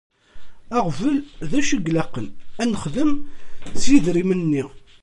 Aɣbel d acu i ilaq ad nexdem s yedrimen-nni.